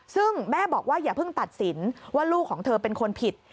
ซึ่งแม่บอกว่าอย่าเพิ่งตัดสินว่าลูกของเธอเป็นคนผิด